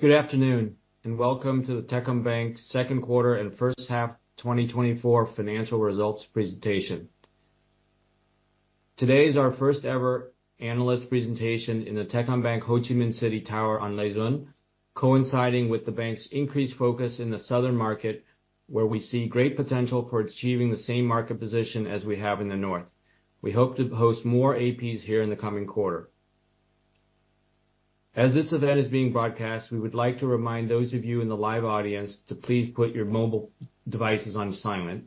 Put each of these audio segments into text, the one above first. Good afternoon, and welcome to the Techcombank's second quarter and first half 2024 financial results presentation. Today is our first-ever analyst presentation in the Techcombank Ho Chi Minh City Tower on Lê Duẩn, coinciding with the bank's increased focus in the southern market, where we see great potential for achieving the same market position as we have in the north. We hope to host more APs here in the coming quarter. As this event is being broadcast, we would like to remind those of you in the live audience to please put your mobile devices on silent.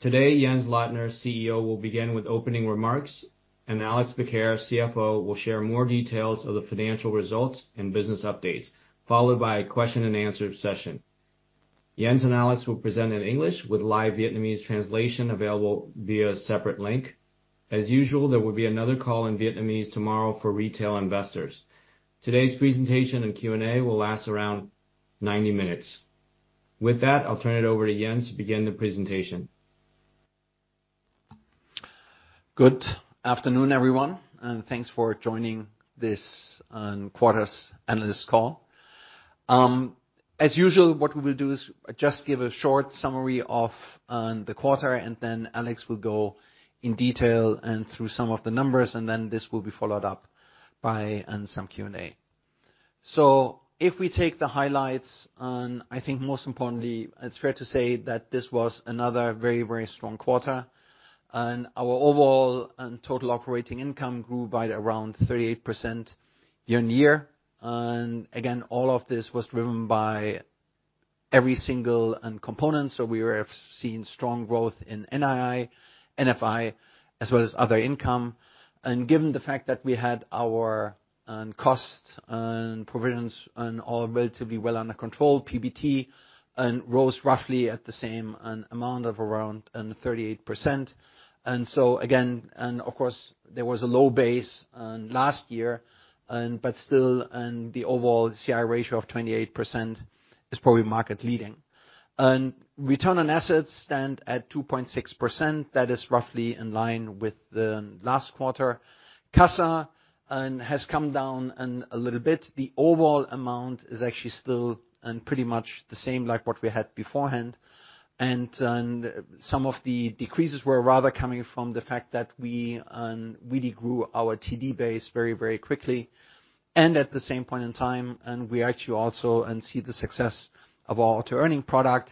Today, Jens Lottner, CEO, will begin with opening remarks, and Alex Macaire, CFO, will share more details of the financial results and business updates, followed by a question-and-answer session. Jens and Alex will present in English with live Vietnamese translation available via a separate link. As usual, there will be another call in Vietnamese tomorrow for retail investors. Today's presentation and Q&A will last around 90 minutes. With that, I'll turn it over to Jens to begin the presentation. Good afternoon, everyone, and thanks for joining this quarter's analyst call. As usual, what we will do is just give a short summary of the quarter, and then Alex will go in detail and through some of the numbers, and then this will be followed up by some Q&A. So if we take the highlights, and I think most importantly, it's fair to say that this was another very, very strong quarter, and our overall and total operating income grew by around 38% year-over-year. And again, all of this was driven by every single component. So we were seeing strong growth in NII, NFI, as well as other income. And given the fact that we had our cost and provisions all relatively well under control, PBT rose roughly at the same amount of around 38%. And so again, and of course, there was a low base last year, but still, the overall CI ratio of 28% is probably market-leading. Return on assets stand at 2.6%. That is roughly in line with the last quarter. CASA has come down a little bit. The overall amount is actually still pretty much the same like what we had beforehand. And some of the decreases were rather coming from the fact that we really grew our TD base very, very quickly. And at the same point in time, we actually also see the success of our Auto Earning product,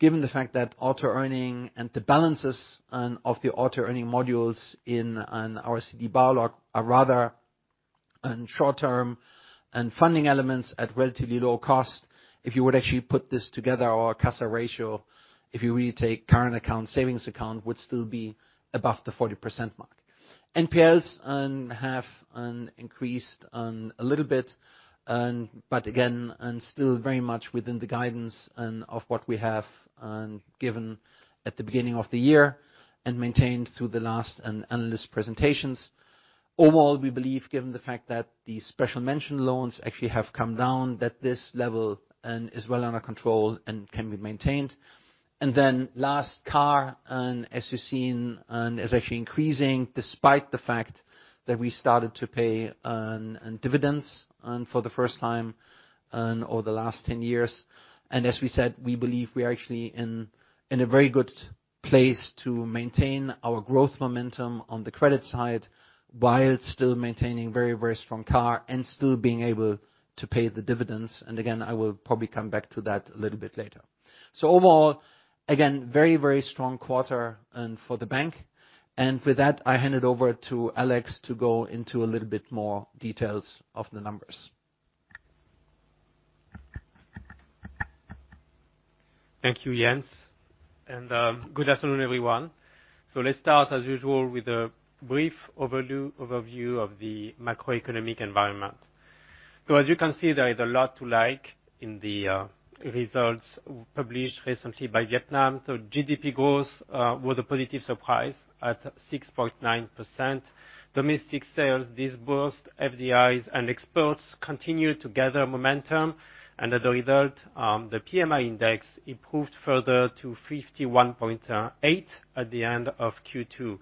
given the fact that Auto Earning and the balances of the Auto Earning modules in our CD Bao Loc are rather short-term and funding elements at relatively low cost. If you would actually put this together, our CASA ratio, if you really take current account, savings account, would still be above the 40% mark. NPLs have increased a little bit, but again, still very much within the guidance of what we have given at the beginning of the year and maintained through the last analyst presentations. Overall, we believe, given the fact that the special mention loans actually have come down, that this level is well under control and can be maintained. Then last CAR, as you've seen, is actually increasing despite the fact that we started to pay dividends for the first time over the last 10 years. As we said, we believe we are actually in a very good place to maintain our growth momentum on the credit side while still maintaining a very, very strong CAR and still being able to pay the dividends. Again, I will probably come back to that a little bit later. Overall, again, very, very strong quarter for the bank. With that, I hand it over to Alex to go into a little bit more details of the numbers. Thank you, Jens. Good afternoon, everyone. Let's start, as usual, with a brief overview of the macroeconomic environment. As you can see, there is a lot to like in the results published recently by Vietnam. GDP growth was a positive surprise at 6.9%. Domestic sales disbursed, FDIs, and exports continued to gather momentum. As a result, the PMI index improved further to 51.8 at the end of Q2.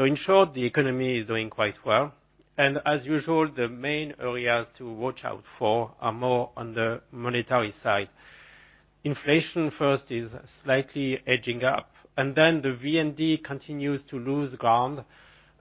In short, the economy is doing quite well. As usual, the main areas to watch out for are more on the monetary side. Inflation first is slightly edging up, and then the VND continues to lose ground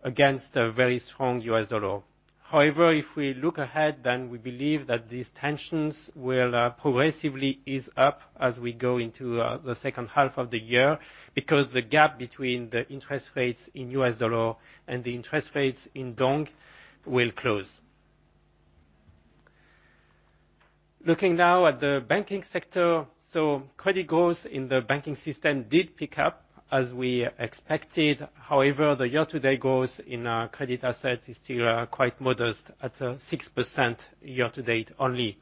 against a very strong U.S. dollar. However, if we look ahead, then we believe that these tensions will progressively ease up as we go into the second half of the year because the gap between the interest rates in U.S. dollar and the interest rates in dong will close. Looking now at the banking sector, so credit growth in the banking system did pick up as we expected. However, the year-to-date growth in credit assets is still quite modest at 6% year-to-date only.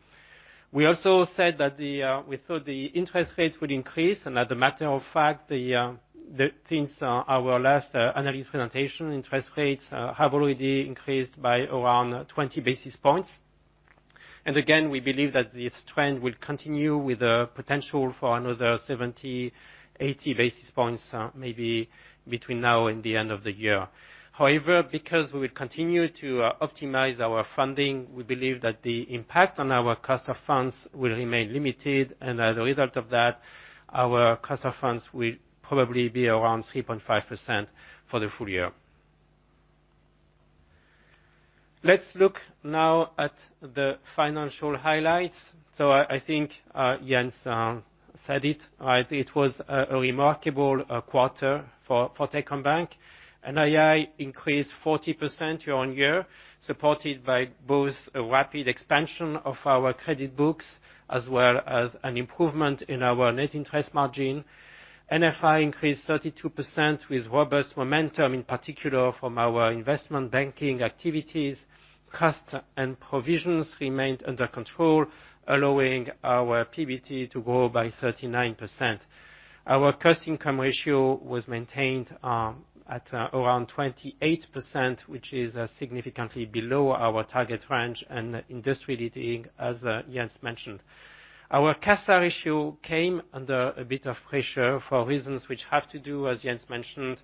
We also said that we thought the interest rates would increase, and as a matter of fact, since our last analyst presentation, interest rates have already increased by around 20 basis points. And again, we believe that this trend will continue with a potential for another 70-80 basis points maybe between now and the end of the year. However, because we will continue to optimize our funding, we believe that the impact on our cost of funds will remain limited, and as a result of that, our cost of funds will probably be around 3.5% for the full year. Let's look now at the financial highlights. So I think Jens said it, right? It was a remarkable quarter for Techcombank. NII increased 40% year-over-year, supported by both a rapid expansion of our credit books as well as an improvement in our net interest margin. NFI increased 32% with robust momentum, in particular from our investment banking activities. Cost and provisions remained under control, allowing our PBT to grow by 39%. Our cost-income ratio was maintained at around 28%, which is significantly below our target range and industry-leading, as Jens mentioned. Our CASA ratio came under a bit of pressure for reasons which have to do, as Jens mentioned,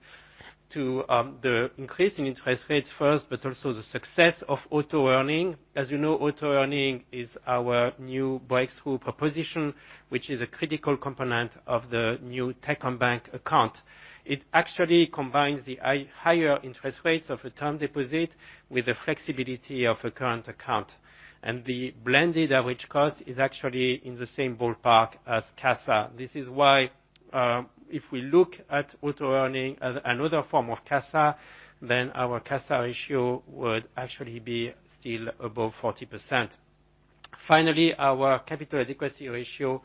to the increase in interest rates first, but also the success of Auto Earning. As you know, Auto Earning is our new breakthrough proposition, which is a critical component of the new Techcombank account. It actually combines the higher interest rates of a term deposit with the flexibility of a current account. And the blended average cost is actually in the same ballpark as CASA. This is why if we look at Auto Earning as another form of CASA, then our CASA ratio would actually be still above 40%. Finally, our capital adequacy ratio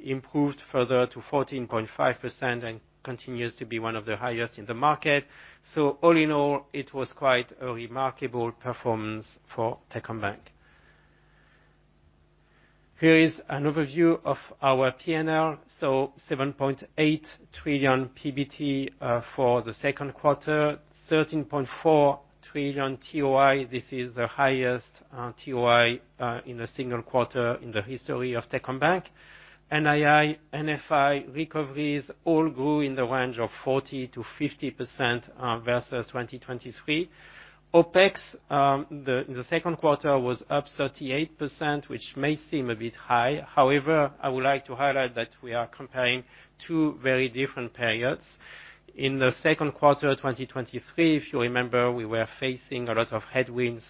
improved further to 14.5% and continues to be one of the highest in the market. So all in all, it was quite a remarkable performance for Techcombank. Here is an overview of our P&L. So 7.8 trillion PBT for the second quarter, 13.4 trillion TOI. This is the highest TOI in a single quarter in the history of Techcombank. NII, NFI recoveries all grew in the range of 40%-50% versus 2023. OPEX in the second quarter was up 38%, which may seem a bit high. However, I would like to highlight that we are comparing two very different periods. In the second quarter of 2023, if you remember, we were facing a lot of headwinds,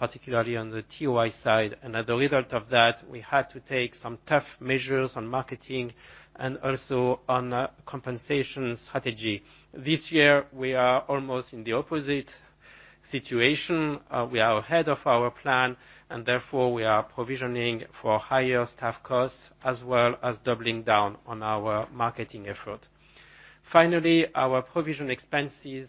particularly on the TOI side. And as a result of that, we had to take some tough measures on marketing and also on compensation strategy. This year, we are almost in the opposite situation. We are ahead of our plan, and therefore we are provisioning for higher staff costs as well as doubling down on our marketing effort. Finally, our provision expenses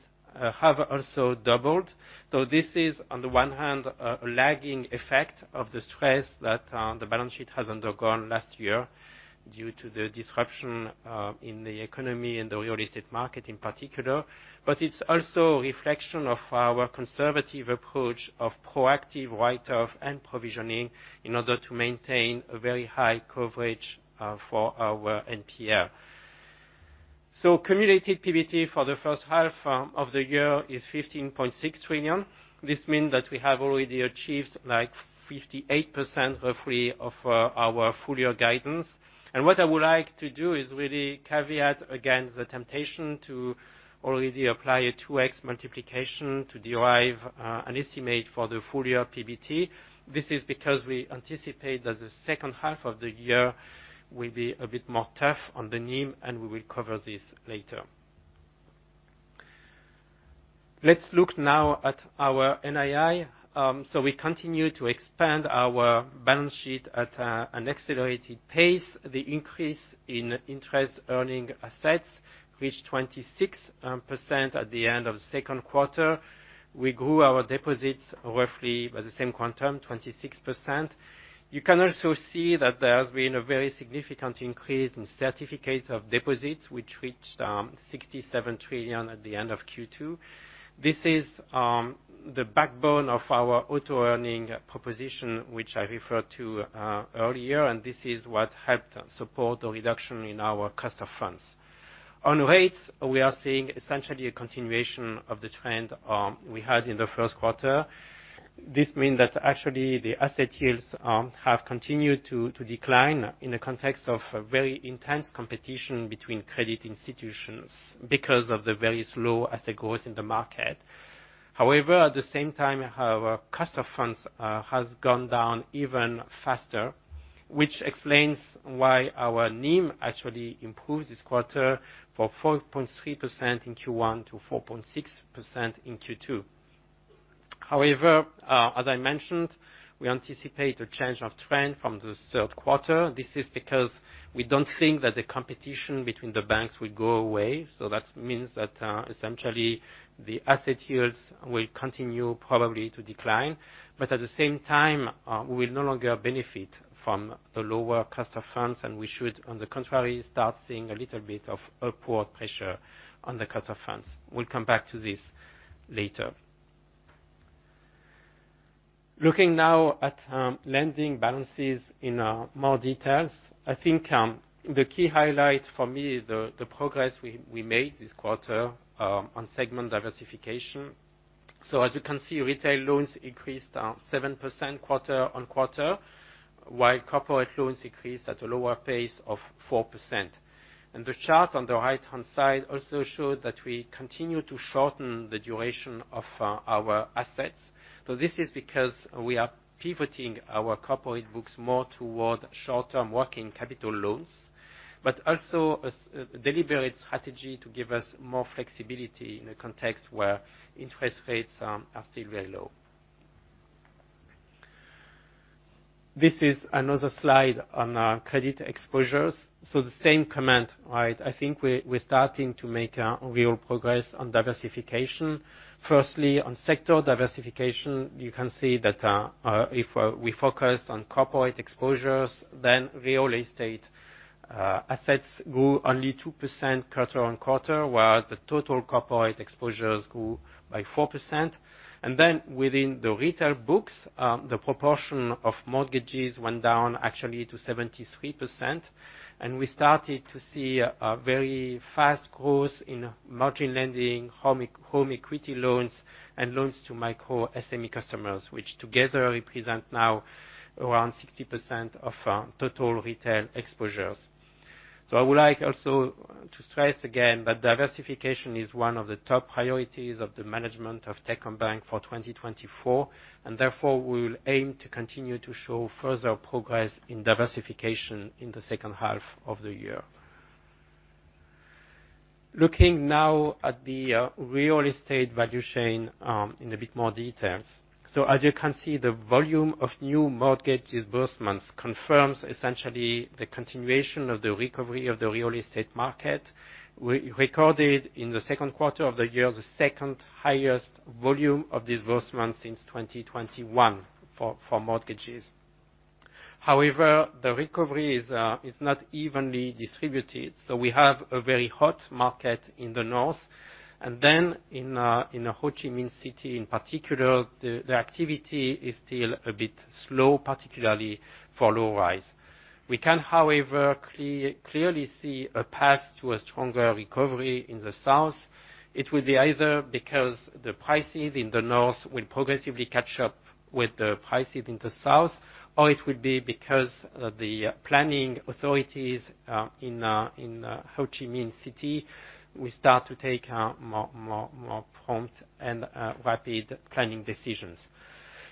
have also doubled. This is, on the one hand, a lagging effect of the stress that the balance sheet has undergone last year due to the disruption in the economy and the real estate market in particular. It's also a reflection of our conservative approach of proactive write-off and provisioning in order to maintain a very high coverage for our NPL. Cumulated PBT for the first half of the year is 15.6 trillion. This means that we have already achieved like 58% roughly of our full-year guidance. What I would like to do is really caveat against the temptation to already apply a 2x multiplication to derive an estimate for the full-year PBT. This is because we anticipate that the second half of the year will be a bit more tough on the NIM, and we will cover this later. Let's look now at our NII. So we continue to expand our balance sheet at an accelerated pace. The increase in interest-earning assets reached 26% at the end of the second quarter. We grew our deposits roughly by the same quantum, 26%. You can also see that there has been a very significant increase in certificates of deposit, which reached 67 trillion at the end of Q2. This is the backbone of our Auto Earning proposition, which I referred to earlier, and this is what helped support the reduction in our cost of funds. On rates, we are seeing essentially a continuation of the trend we had in the first quarter. This means that actually the asset yields have continued to decline in the context of very intense competition between credit institutions because of the very slow asset growth in the market. However, at the same time, our cost of funds has gone down even faster, which explains why our NIM actually improved this quarter from 4.3% in Q1 to 4.6% in Q2. However, as I mentioned, we anticipate a change of trend from the third quarter. This is because we don't think that the competition between the banks will go away. So that means that essentially the asset yields will continue probably to decline. But at the same time, we will no longer benefit from the lower cost of funds, and we should, on the contrary, start seeing a little bit of upward pressure on the cost of funds. We'll come back to this later. Looking now at lending balances in more detail, I think the key highlight for me is the progress we made this quarter on segment diversification. As you can see, retail loans increased 7% quarter-on-quarter, while corporate loans increased at a lower pace of 4%. The chart on the right-hand side also showed that we continue to shorten the duration of our assets. This is because we are pivoting our corporate books more toward short-term working capital loans, but also a deliberate strategy to give us more flexibility in a context where interest rates are still very low. This is another slide on credit exposures. The same comment, right? I think we're starting to make real progress on diversification. Firstly, on sector diversification, you can see that if we focus on corporate exposures, then real estate assets grew only 2% quarter-on-quarter, whereas the total corporate exposures grew by 4%. Then within the retail books, the proportion of mortgages went down actually to 73%. We started to see a very fast growth in margin lending, home equity loans, and loans to micro SME customers, which together represent now around 60% of total retail exposures. I would like also to stress again that diversification is one of the top priorities of the management of Techcombank for 2024. And therefore, we'll aim to continue to show further progress in diversification in the second half of the year. Looking now at the real estate value chain in a bit more detail. As you can see, the volume of new mortgage disbursements confirms essentially the continuation of the recovery of the real estate market. We recorded in the second quarter of the year the second highest volume of disbursements since 2021 for mortgages. However, the recovery is not evenly distributed. We have a very hot market in the north. Then in Ho Chi Minh City, in particular, the activity is still a bit slow, particularly for low rise. We can, however, clearly see a path to a stronger recovery in the south. It will be either because the prices in the north will progressively catch up with the prices in the south, or it will be because of the planning authorities in Ho Chi Minh City will start to take more prompt and rapid planning decisions.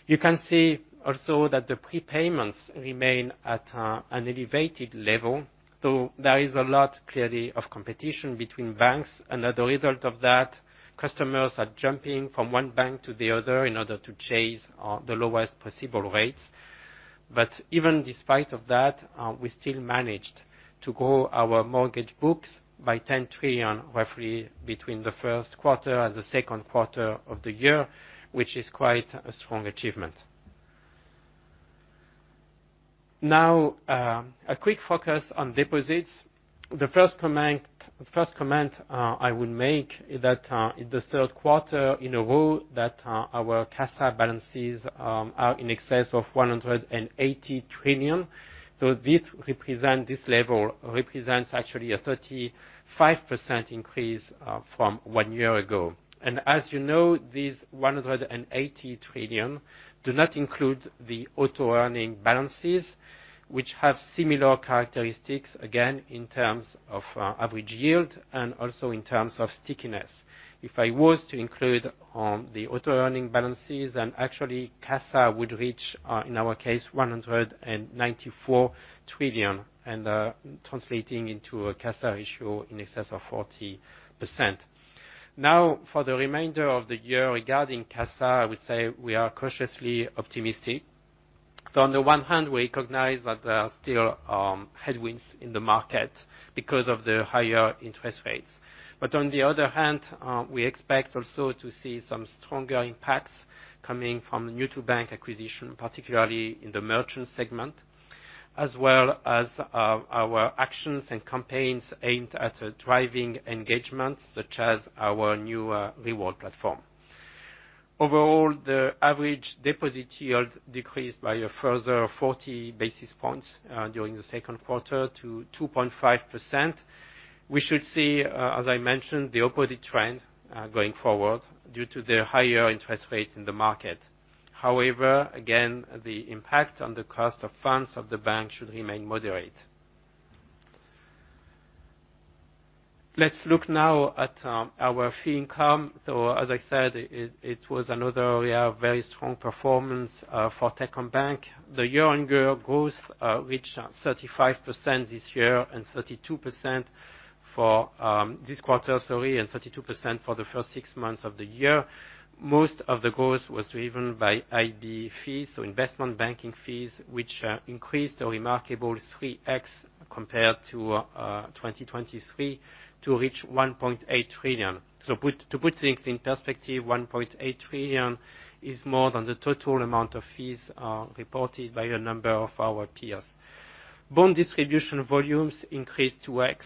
You can see also that the prepayments remain at an elevated level. So there is a lot clearly of competition between banks. And as a result of that, customers are jumping from one bank to the other in order to chase the lowest possible rates. But even despite that, we still managed to grow our mortgage books by 10 trillion roughly between the first quarter and the second quarter of the year, which is quite a strong achievement. Now, a quick focus on deposits. The first comment I would make is that in the third quarter in a row that our CASA balances are in excess of 180 trillion. So this level represents actually a 35% increase from one year ago. And as you know, these 180 trillion do not include the Auto Earning balances, which have similar characteristics, again, in terms of average yield and also in terms of stickiness. If I was to include the Auto Earning balances, then actually CASA would reach, in our case, 194 trillion, translating into a CASA ratio in excess of 40%. Now, for the remainder of the year regarding CASA, I would say we are cautiously optimistic. On the one hand, we recognize that there are still headwinds in the market because of the higher interest rates. But on the other hand, we expect also to see some stronger impacts coming from new-to-bank acquisition, particularly in the merchant segment, as well as our actions and campaigns aimed at driving engagement, such as our new reward platform. Overall, the average deposit yield decreased by a further 40 basis points during the second quarter to 2.5%. We should see, as I mentioned, the opposite trend going forward due to the higher interest rates in the market. However, again, the impact on the cost of funds of the bank should remain moderate. Let's look now at our fee income. So as I said, it was another area of very strong performance for Techcombank. The year-on-year growth reached 35% this year and 32% for this quarter, sorry, and 32% for the first six months of the year. Most of the growth was driven by IB fees, so investment banking fees, which increased a remarkable 3x compared to 2023 to reach 1.8 trillion. So to put things in perspective, 1.8 trillion is more than the total amount of fees reported by a number of our peers. Bond distribution volumes increased 2x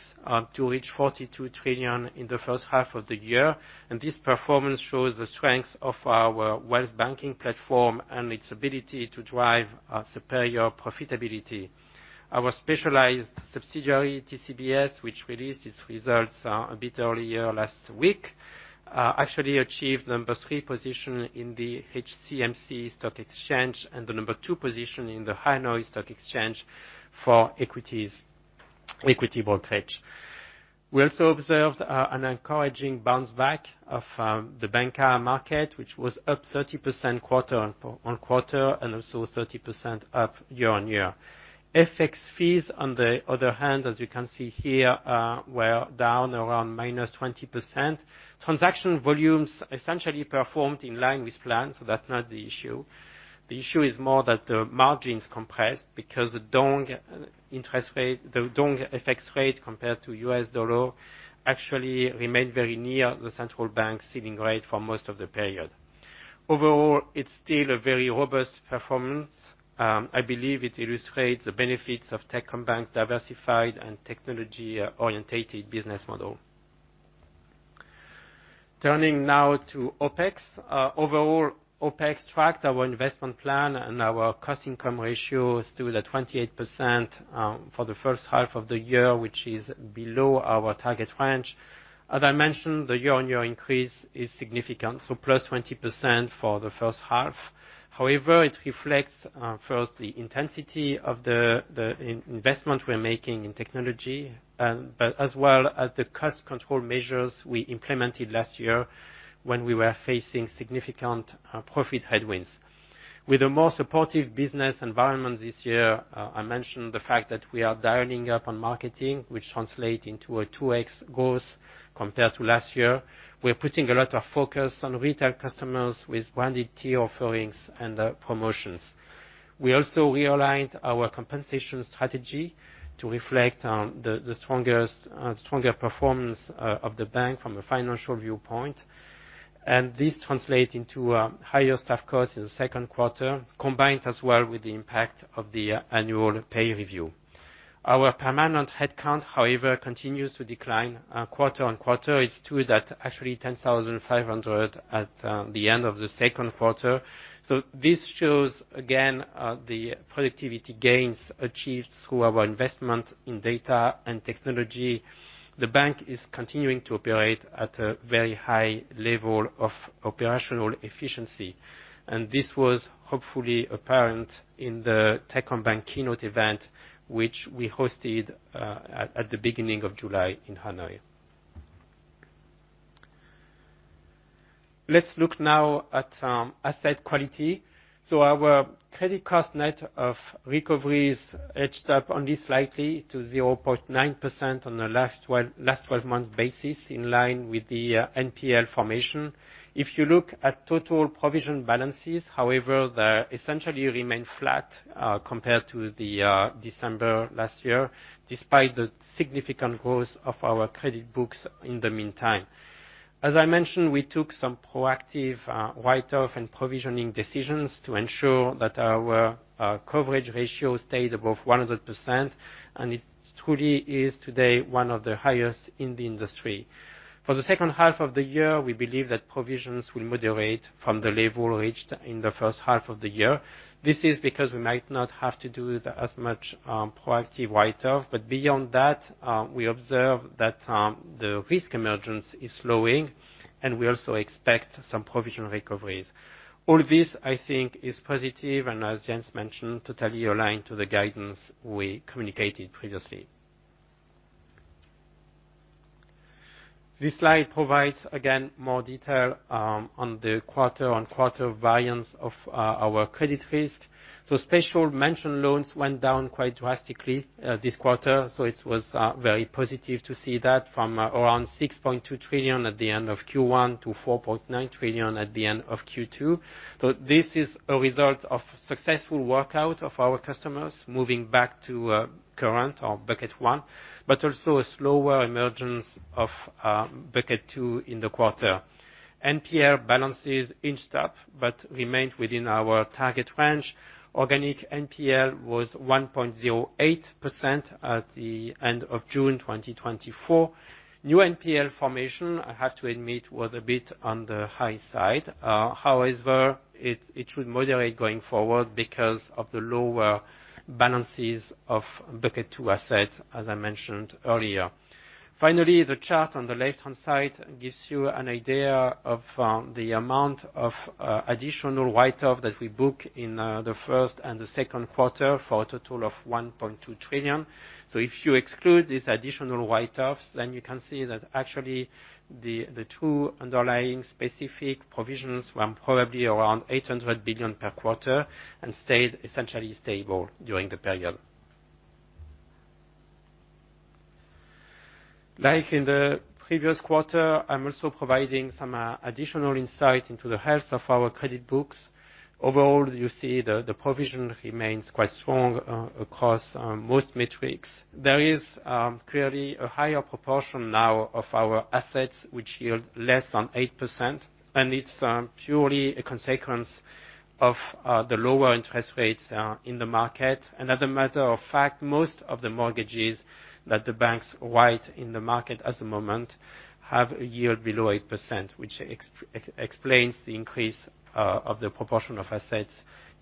to reach 42 trillion in the first half of the year. This performance shows the strength of our wealth banking platform and its ability to drive superior profitability. Our specialized subsidiary, TCBS, which released its results a bit earlier last week, actually achieved number three position in the HCMC Stock Exchange and the number two position in the Hà Nội Stock Exchange for equity brokerage. We also observed an encouraging bounce back of the banker market, which was up 30% quarter-on-quarter and also 30% up year-on-year. FX fees, on the other hand, as you can see here, were down around -20%. Transaction volumes essentially performed in line with plan, so that's not the issue. The issue is more that the margins compressed because the dong FX rate compared to U.S. dollar actually remained very near the central bank ceiling rate for most of the period. Overall, it's still a very robust performance. I believe it illustrates the benefits of Techcombank's diversified and technology-oriented business model. Turning now to OPEX, overall, OPEX tracked our investment plan and our cost-income ratio is still at 28% for the first half of the year, which is below our target range. As I mentioned, the year-on-year increase is significant, so +20% for the first half. However, it reflects first the intensity of the investment we're making in technology, but as well as the cost control measures we implemented last year when we were facing significant profit headwinds. With a more supportive business environment this year, I mentioned the fact that we are dialing up on marketing, which translates into a 2x growth compared to last year. We're putting a lot of focus on retail customers with branded tier offerings and promotions. We also realigned our compensation strategy to reflect the stronger performance of the bank from a financial viewpoint. And this translates into higher staff costs in the second quarter, combined as well with the impact of the annual pay review. Our permanent headcount, however, continues to decline quarter-on-quarter. It's still at actually 10,500 at the end of the second quarter. This shows, again, the productivity gains achieved through our investment in data and technology. The bank is continuing to operate at a very high level of operational efficiency. This was hopefully apparent in the Techcombank Keynote event, which we hosted at the beginning of July in Hà Nội. Let's look now at asset quality. Our credit cost net of recoveries edged up only slightly to 0.9% on the last 12 months' basis, in line with the NPL formation. If you look at total provision balances, however, they essentially remain flat compared to December last year, despite the significant growth of our credit books in the meantime. As I mentioned, we took some proactive write-off and provisioning decisions to ensure that our coverage ratio stayed above 100%. It truly is today one of the highest in the industry. For the second half of the year, we believe that provisions will moderate from the level reached in the first half of the year. This is because we might not have to do as much proactive write-off. But beyond that, we observe that the risk emergence is slowing, and we also expect some provision recoveries. All this, I think, is positive and, as Jens mentioned, totally aligned to the guidance we communicated previously. This slide provides, again, more detail on the quarter-on-quarter variance of our credit risk. So special mention loans went down quite drastically this quarter. So it was very positive to see that from around 6.2 trillion at the end of Q1 to 4.9 trillion at the end of Q2. So this is a result of a successful workout of our customers moving back to current or bucket one, but also a slower emergence of bucket two in the quarter. NPL balances inched up but remained within our target range. Organic NPL was 1.08% at the end of June 2024. New NPL formation, I have to admit, was a bit on the high side. However, it should moderate going forward because of the lower balances of bucket two assets, as I mentioned earlier. Finally, the chart on the left-hand side gives you an idea of the amount of additional write-off that we book in the first and the second quarter for a total of 1.2 trillion. So if you exclude these additional write-offs, then you can see that actually the two underlying specific provisions were probably around 800 billion per quarter and stayed essentially stable during the period. Like in the previous quarter, I'm also providing some additional insight into the health of our credit books. Overall, you see the provision remains quite strong across most metrics. There is clearly a higher proportion now of our assets, which yield less than 8%. It's purely a consequence of the lower interest rates in the market. As a matter of fact, most of the mortgages that the banks write in the market at the moment have a yield below 8%, which explains the increase of the proportion of assets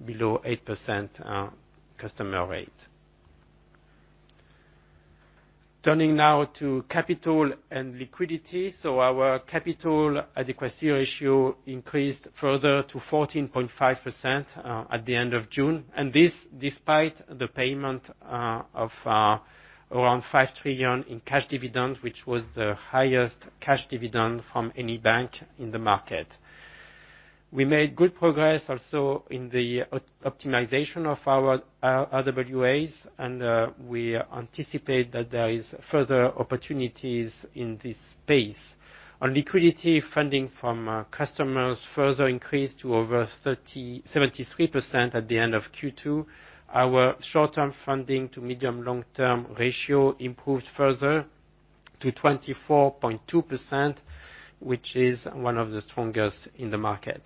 below 8% customer rate. Turning now to capital and liquidity. Our capital adequacy ratio increased further to 14.5% at the end of June. This despite the payment of around 5 trillion in cash dividend, which was the highest cash dividend from any bank in the market. We made good progress also in the optimization of our RWAs, and we anticipate that there are further opportunities in this space. On liquidity, funding from customers further increased to over 73% at the end of Q2. Our short-term funding to medium-long-term ratio improved further to 24.2%, which is one of the strongest in the market.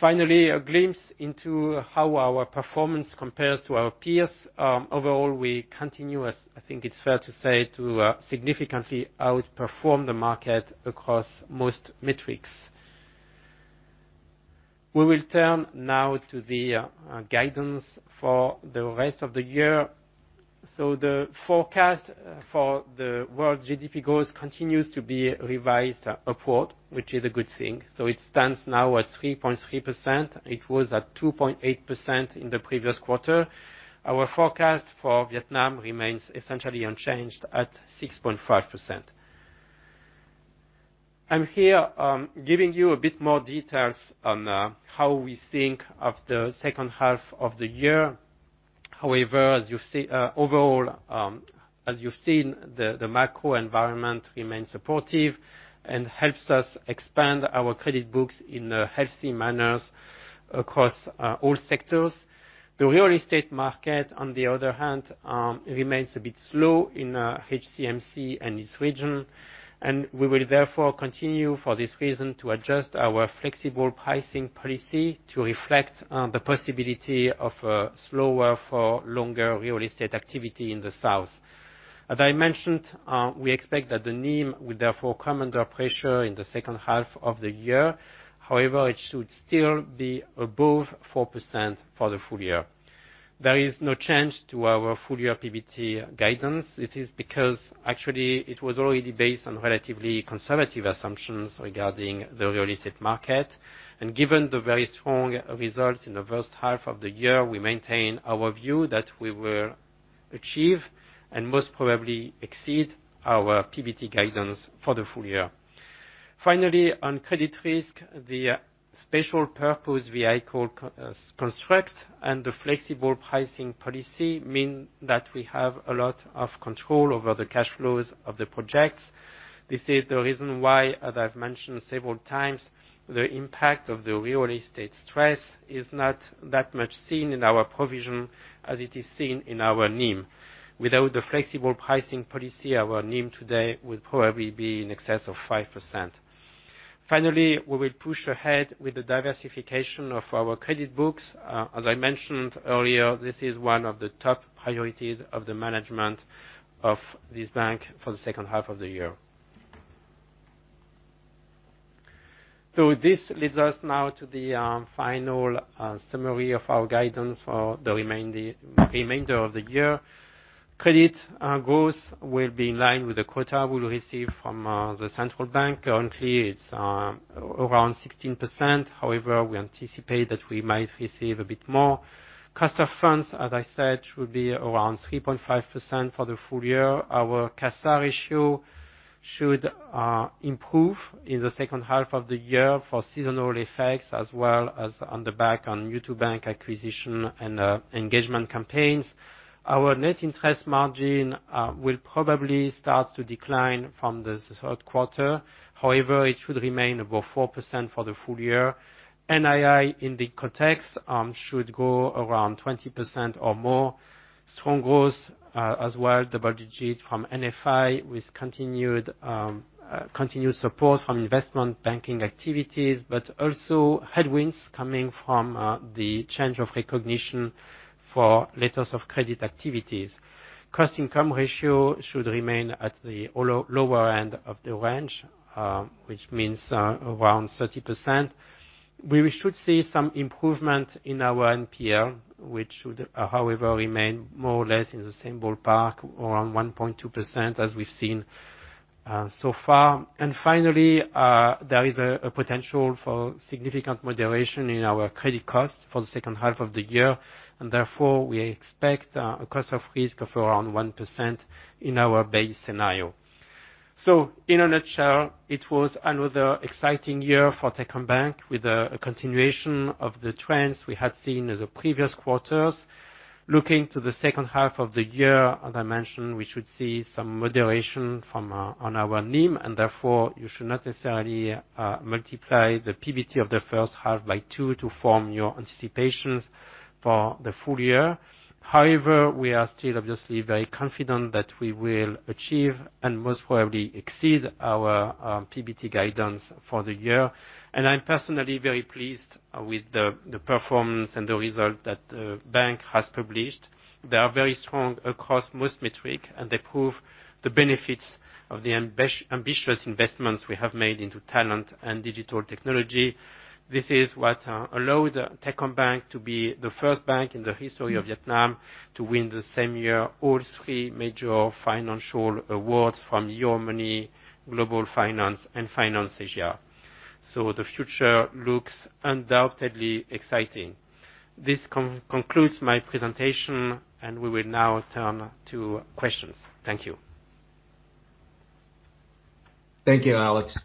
Finally, a glimpse into how our performance compares to our peers. Overall, we continue, I think it's fair to say, to significantly outperform the market across most metrics. We will turn now to the guidance for the rest of the year. So the forecast for the world GDP growth continues to be revised upward, which is a good thing. So it stands now at 3.3%. It was at 2.8% in the previous quarter. Our forecast for Vietnam remains essentially unchanged at 6.5%. I'm here giving you a bit more details on how we think of the second half of the year. However, as you've seen overall, as you've seen, the macro environment remains supportive and helps us expand our credit books in healthy manners across all sectors. The real estate market, on the other hand, remains a bit slow in HCMC and its region. We will therefore continue for this reason to adjust our flexible pricing policy to reflect the possibility of a slower for longer real estate activity in the south. As I mentioned, we expect that the NIM will therefore come under pressure in the second half of the year. However, it should still be above 4% for the full year. There is no change to our full-year PBT guidance. It is because actually it was already based on relatively conservative assumptions regarding the real estate market. Given the very strong results in the first half of the year, we maintain our view that we will achieve and most probably exceed our PBT guidance for the full year. Finally, on credit risk, the special purpose vehicle construct and the flexible pricing policy mean that we have a lot of control over the cash flows of the projects. This is the reason why, as I've mentioned several times, the impact of the real estate stress is not that much seen in our provision as it is seen in our NIM. Without the flexible pricing policy, our NIM today would probably be in excess of 5%. Finally, we will push ahead with the diversification of our credit books. As I mentioned earlier, this is one of the top priorities of the management of this bank for the second half of the year. So this leads us now to the final summary of our guidance for the remainder of the year. Credit growth will be in line with the quota we will receive from the central bank. Currently, it's around 16%. However, we anticipate that we might receive a bit more. Cost of funds, as I said, should be around 3.5% for the full year. Our CASA ratio should improve in the second half of the year for seasonal effects as well as on the back of new-to-bank acquisition and engagement campaigns. Our net interest margin will probably start to decline from the third quarter. However, it should remain above 4% for the full year. NII in the context should go around 20% or more. Strong growth as well, double-digit from NFI with continued support from investment banking activities, but also headwinds coming from the change of recognition for letters of credit activities. Cost-to-income ratio should remain at the lower end of the range, which means around 30%. We should see some improvement in our NPL, which should, however, remain more or less in the same ballpark, around 1.2% as we've seen so far. Finally, there is a potential for significant moderation in our credit costs for the second half of the year. Therefore, we expect a cost of risk of around 1% in our base scenario. So in a nutshell, it was another exciting year for Techcombank with a continuation of the trends we had seen in the previous quarters. Looking to the second half of the year, as I mentioned, we should see some moderation on our NIM. Therefore, you should not necessarily multiply the PBT of the first half by two to form your anticipations for the full year. However, we are still obviously very confident that we will achieve and most probably exceed our PBT guidance for the year. I'm personally very pleased with the performance and the result that the bank has published. They are very strong across most metrics, and they prove the benefits of the ambitious investments we have made into talent and digital technology. This is what allowed Techcombank to be the first bank in the history of Vietnam to win the same year all three major financial awards from Euromoney, Global Finance, and FinanceAsia. The future looks undoubtedly exciting. This concludes my presentation, and we will now turn to questions. Thank you. Thank you, Alex.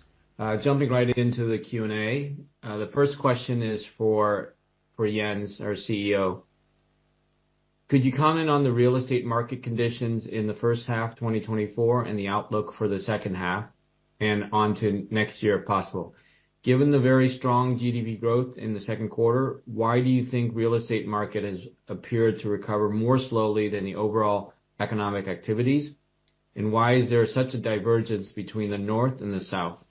Jumping right into the Q&A, the first question is for Jens, our CEO. Could you comment on the real estate market conditions in the first half 2024 and the outlook for the second half and on to next year if possible? Given the very strong GDP growth in the second quarter, why do you think the real estate market has appeared to recover more slowly than the overall economic activities? And why is there such a divergence between the north and the south?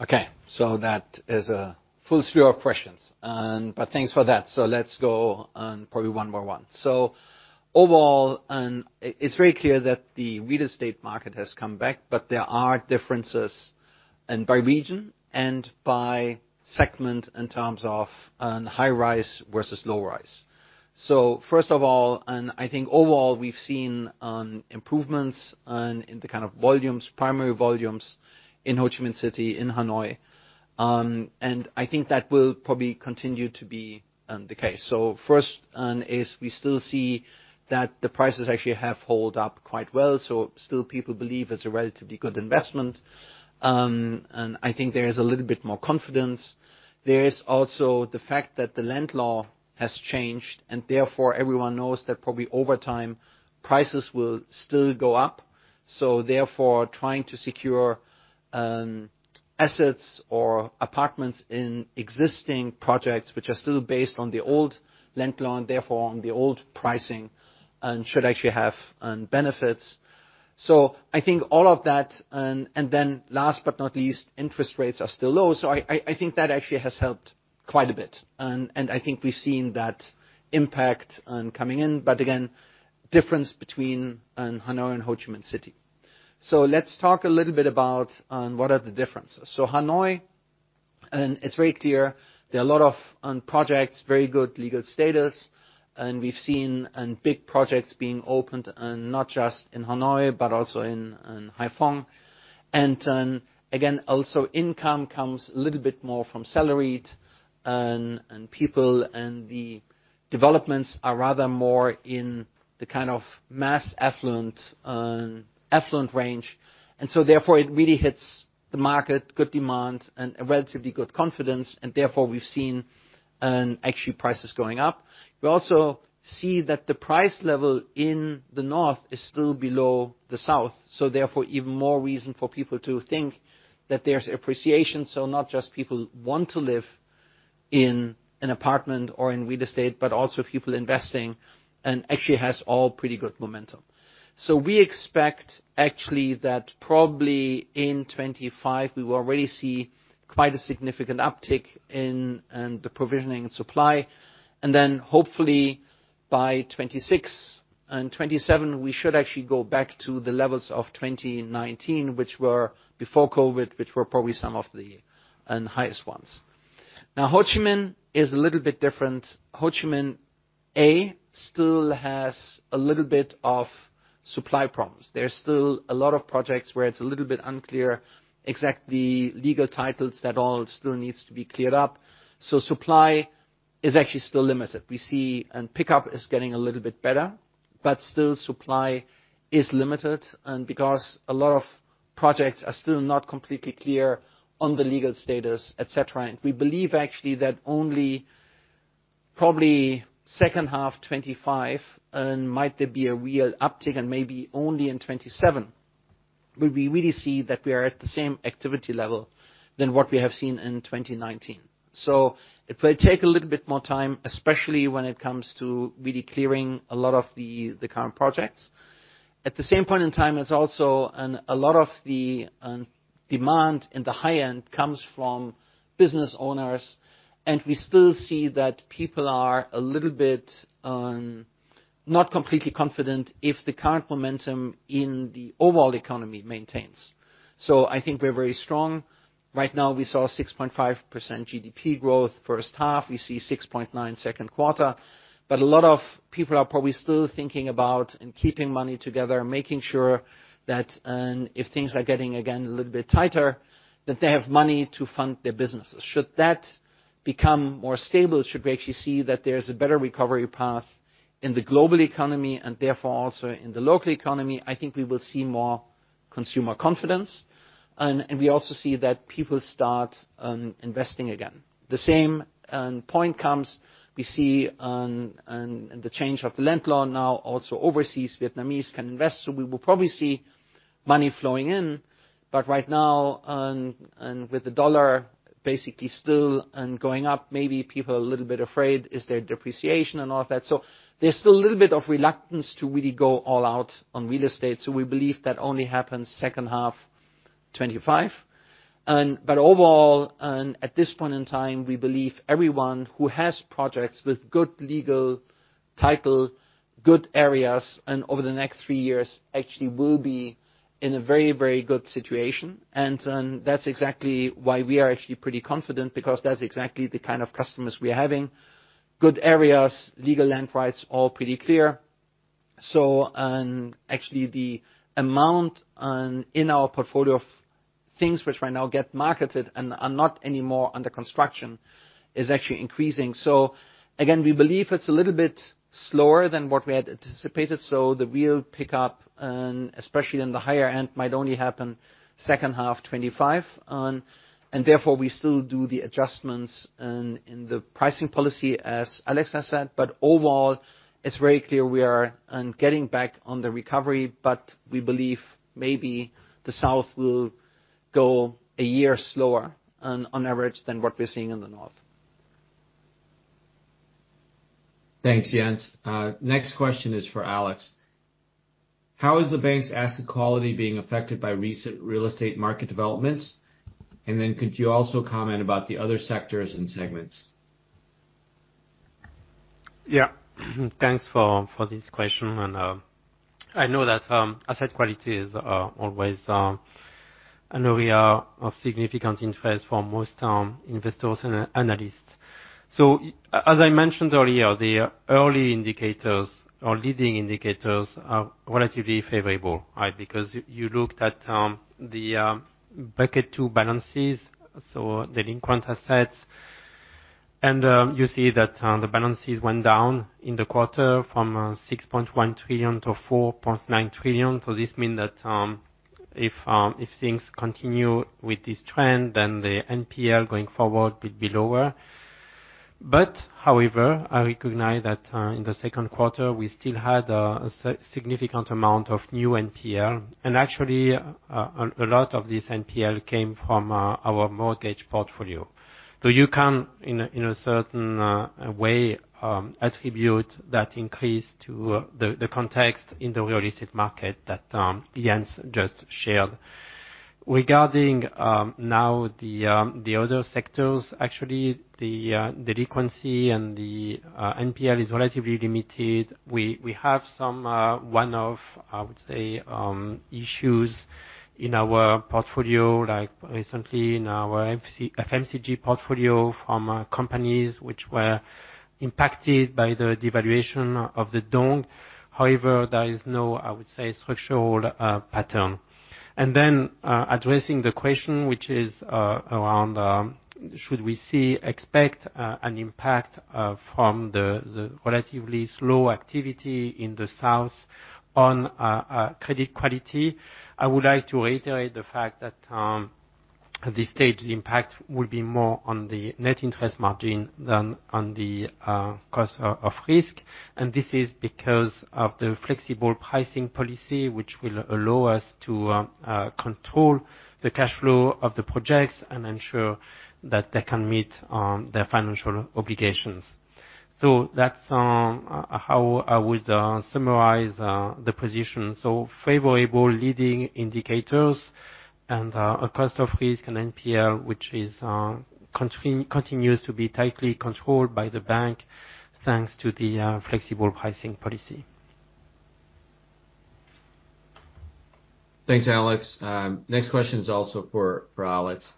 Okay. So that is a full slew of questions. But thanks for that. So let's go on probably one more one. So overall, it's very clear that the real estate market has come back, but there are differences by region and by segment in terms of high rise versus low rise. So, first of all, I think overall we've seen improvements in the kind of volumes, primary volumes in Ho Chi Minh City in Hà Nội. And I think that will probably continue to be the case. First, we still see that the prices actually have held up quite well. Still, people believe it's a relatively good investment. And I think there is a little bit more confidence. There is also the fact that the land law has changed, and therefore everyone knows that probably over time prices will still go up. So therefore, trying to secure assets or apartments in existing projects, which are still based on the old land law and therefore on the old pricing, should actually have benefits. So I think all of that. And then last but not least, interest rates are still low. So I think that actually has helped quite a bit. I think we've seen that impact coming in. But again, difference between Hà Nội and Ho Chi Minh City. So let's talk a little bit about what are the differences. So Hà Nội, it's very clear. There are a lot of projects, very good legal status. And we've seen big projects being opened, not just in Hà Nội, but also in Hải Phòng. And again, also income comes a little bit more from salaried people, and the developments are rather more in the kind of mass affluent range. And so therefore, it really hits the market, good demand, and a relatively good confidence. And therefore, we've seen actually prices going up. We also see that the price level in the north is still below the south. So therefore, even more reason for people to think that there's appreciation. So not just people want to live in an apartment or in real estate, but also people investing and actually has all pretty good momentum. So we expect actually that probably in 2025, we will already see quite a significant uptick in the provisioning and supply. And then hopefully by 2026 and 2027, we should actually go back to the levels of 2019, which were before COVID, which were probably some of the highest ones. Now, Ho Chi Minh is a little bit different. Ho Chi Minh area still has a little bit of supply problems. There's still a lot of projects where it's a little bit unclear exactly legal titles that all still needs to be cleared up. So supply is actually still limited. We see pickup is getting a little bit better, but still supply is limited because a lot of projects are still not completely clear on the legal status, etc. We believe actually that only probably second half 2025 might there be a real uptick and maybe only in 2027. But we really see that we are at the same activity level than what we have seen in 2019. So it will take a little bit more time, especially when it comes to really clearing a lot of the current projects. At the same point in time, it's also a lot of the demand in the high end comes from business owners. We still see that people are a little bit not completely confident if the current momentum in the overall economy maintains. So I think we're very strong. Right now, we saw 6.5% GDP growth first half. We see 6.9% second quarter. But a lot of people are probably still thinking about and keeping money together, making sure that if things are getting again a little bit tighter, that they have money to fund their businesses. Should that become more stable, should we actually see that there's a better recovery path in the global economy and therefore also in the local economy, I think we will see more consumer confidence. And we also see that people start investing again. The same point comes. We see the change of the land law now also overseas, Vietnamese can invest. So we will probably see money flowing in. But right now, with the U.S dollar basically still going up, maybe people are a little bit afraid. Is there depreciation and all of that? So there's still a little bit of reluctance to really go all out on real estate. So we believe that only happens second half 2025. But overall, at this point in time, we believe everyone who has projects with good legal title, good areas, and over the next three years actually will be in a very, very good situation. And that's exactly why we are actually pretty confident because that's exactly the kind of customers we are having. Good areas, legal land rights, all pretty clear. So actually the amount in our portfolio of things which right now get marketed and are not anymore under construction is actually increasing. So again, we believe it's a little bit slower than what we had anticipated. So the real pickup, especially in the higher end, might only happen second half 2025. And therefore, we still do the adjustments in the pricing policy as Alex has said. But overall, it's very clear we are getting back on the recovery, but we believe maybe the south will go a year slower on average than what we're seeing in the north. Thanks, Jens. Next question is for Alex. How is the bank's asset quality being affected by recent real estate market developments? And then could you also comment about the other sectors and segments? Yeah. Thanks for this question. I know that asset quality is always an area of significant interest for most investors and analysts. So as I mentioned earlier, the early indicators or leading indicators are relatively favorable because you looked at the bucket two balances, so delinquent assets. And you see that the balances went down in the quarter from 6.1 trillion to 4.9 trillion. So this means that if things continue with this trend, then the NPL going forward will be lower. However, I recognize that in the second quarter, we still had a significant amount of new NPL. And actually, a lot of this NPL came from our mortgage portfolio. So you can in a certain way attribute that increase to the context in the real estate market that Jens just shared. Regarding now the other sectors, actually the delinquency and the NPL is relatively limited. We have some one-off, I would say, issues in our portfolio, like recently in our FMCG portfolio from companies which were impacted by the devaluation of the dong. However, there is no, I would say, structural pattern. And then addressing the question which is around should we see, expect an impact from the relatively slow activity in the south on credit quality. I would like to reiterate the fact that this stage impact will be more on the net interest margin than on the cost of risk. This is because of the flexible pricing policy, which will allow us to control the cash flow of the projects and ensure that they can meet their financial obligations. That's how I would summarize the position. Favorable leading indicators and a cost of risk and NPL, which continues to be tightly controlled by the bank thanks to the flexible pricing policy. Thanks, Alex. Next question is also for Alex.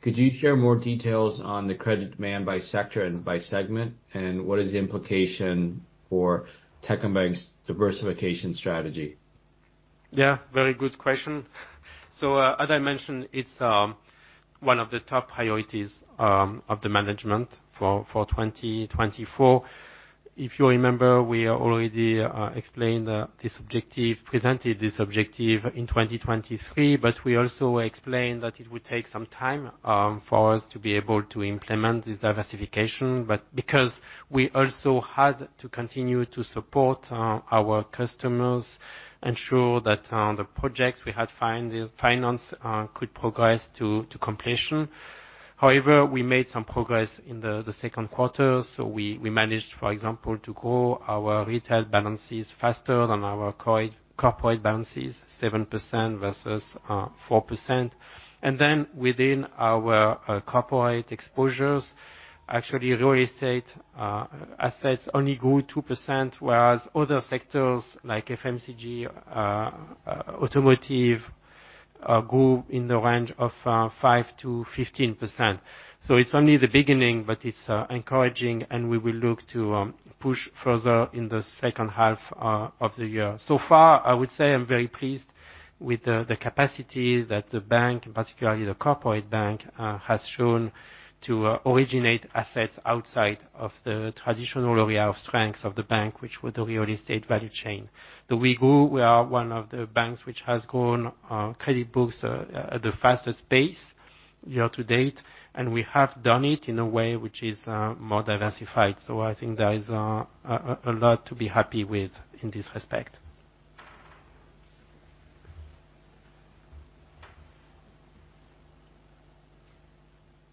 Could you share more details on the credit demand by sector and by segment, and what is the implication for Techcombank's diversification strategy? Yeah. Very good question. As I mentioned, it's one of the top priorities of the management for 2024. If you remember, we already explained this objective, presented this objective in 2023, but we also explained that it would take some time for us to be able to implement this diversification. But because we also had to continue to support our customers, ensure that the projects we had financed could progress to completion. However, we made some progress in the second quarter. So we managed, for example, to grow our retail balances faster than our corporate balances, 7% versus 4%. And then within our corporate exposures, actually real estate assets only grew 2%, whereas other sectors like FMCG, automotive grew in the range of 5%-15%. So it's only the beginning, but it's encouraging, and we will look to push further in the second half of the year. So far, I would say I'm very pleased with the capacity that the bank, and particularly the corporate bank, has shown to originate assets outside of the traditional area of strength of the bank, which was the real estate value chain. So we grew. We are one of the banks which has grown credit books at the fastest pace year to date. And we have done it in a way which is more diversified. So I think there is a lot to be happy with in this respect.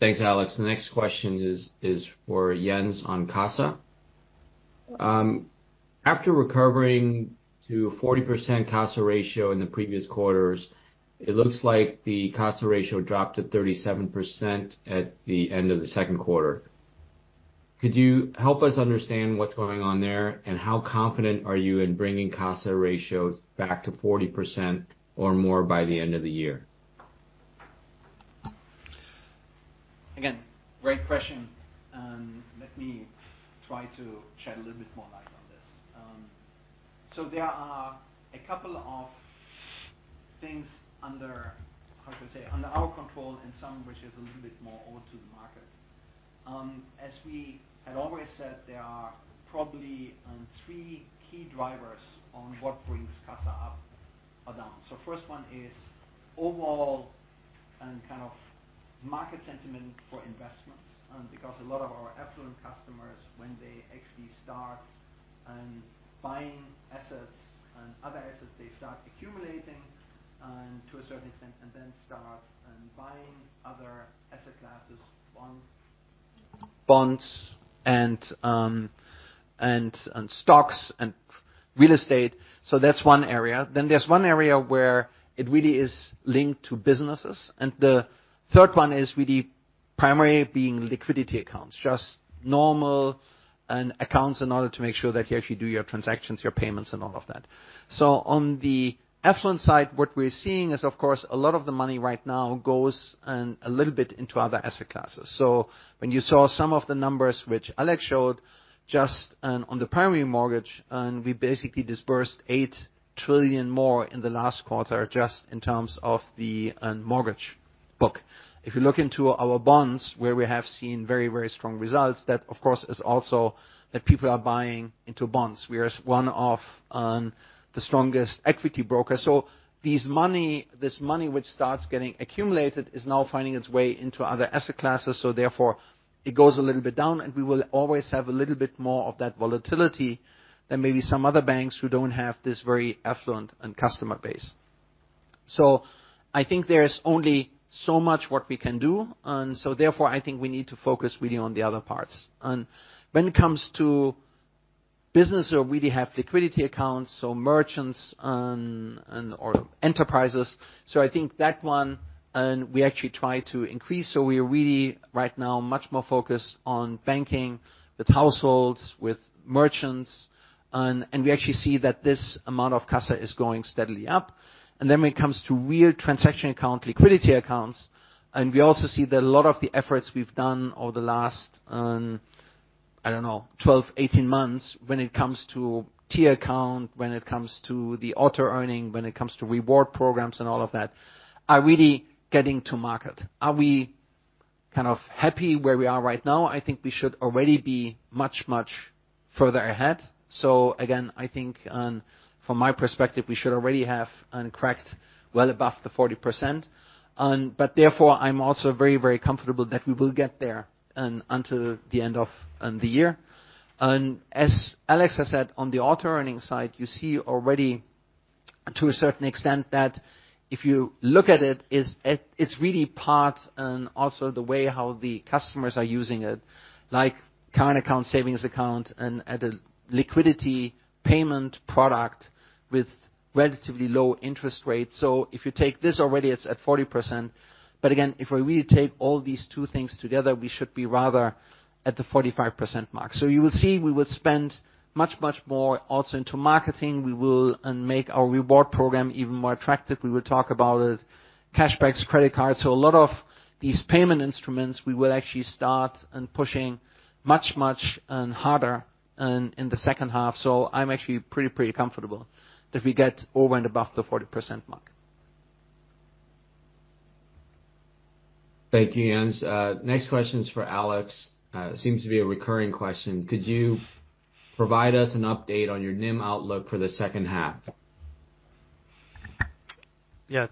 Thanks, Alex. The next question is for Jens on CASA. After recovering to 40% CASA ratio in the previous quarters, it looks like the CASA ratio dropped to 37% at the end of the second quarter. Could you help us understand what's going on there, and how confident are you in bringing CASA ratios back to 40% or more by the end of the year? Again, great question. Let me try to shed a little bit more light on this. So there are a couple of things under, how should I say, under our control and some which is a little bit more over to the market. As we had always said, there are probably three key drivers on what brings CASA up or down. So first one is overall kind of market sentiment for investments because a lot of our affluent customers, when they actually start buying assets and other assets, they start accumulating to a certain extent and then start buying other asset classes, bonds. Bonds and stocks and real estate. So that's one area. Then there's one area where it really is linked to businesses. The third one is really primarily being liquidity accounts, just normal accounts in order to make sure that you actually do your transactions, your payments, and all of that. On the affluent side, what we're seeing is, of course, a lot of the money right now goes a little bit into other asset classes. When you saw some of the numbers which Alex showed just on the primary mortgage, we basically disbursed 8 trillion more in the last quarter just in terms of the mortgage book. If you look into our bonds, where we have seen very, very strong results, that, of course, is also that people are buying into bonds. We are one of the strongest equity brokers. This money which starts getting accumulated is now finding its way into other asset classes. So therefore, it goes a little bit down, and we will always have a little bit more of that volatility than maybe some other banks who don't have this very affluent customer base. So I think there is only so much what we can do. And so therefore, I think we need to focus really on the other parts. And when it comes to businesses who really have liquidity accounts, so merchants or enterprises, so I think that one we actually try to increase. So we are really right now much more focused on banking with households, with merchants. And we actually see that this amount of CASA is going steadily up. Then when it comes to real transaction account, liquidity accounts, and we also see that a lot of the efforts we've done over the last, I don't know, 12, 18 months when it comes to tier account, when it comes to the Auto Earning, when it comes to reward programs and all of that, are really getting to market. Are we kind of happy where we are right now? I think we should already be much, much further ahead. So again, I think from my perspective, we should already have cracked well above the 40%. But therefore, I'm also very, very comfortable that we will get there until the end of the year. As Alex has said, on the Auto Earning side, you see already to a certain extent that if you look at it, it's really part and also the way how the customers are using it, like current account, savings account, and a liquidity payment product with relatively low interest rates. So if you take this already, it's at 40%. But again, if we really take all these two things together, we should be rather at the 45% mark. So you will see we will spend much, much more also into marketing. We will make our reward program even more attractive. We will talk about it, cash backs, credit cards. So a lot of these payment instruments, we will actually start pushing much, much harder in the second half. So I'm actually pretty, pretty comfortable that we get over and above the 40% mark. Thank you, Jens. Next question is for Alex. Seems to be a recurring question. Could you provide us an update on your NIM outlook for the second half? Yeah.